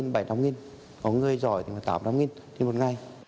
có người giỏi thì tám trăm linh trên một ngày